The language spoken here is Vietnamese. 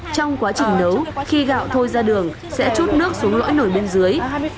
trong quá trình nấu khi gạo thôi ra đường sẽ chút nước xuống lõi nổi bên dưới